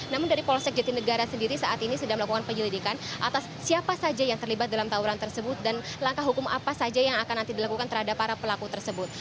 namun dari polsek jatinegara sendiri saat ini sedang melakukan penyelidikan atas siapa saja yang terlibat dalam tawuran tersebut dan langkah hukum apa saja yang akan nanti dilakukan terhadap para pelaku tersebut